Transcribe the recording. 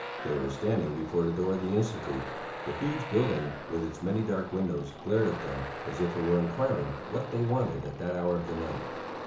They were standing before the door of the institute. The huge building with its many dark windows glared at them as if it were inquiring what they wanted at that hour of the night.